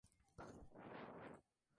Murió asesinado antes de llegar al trono.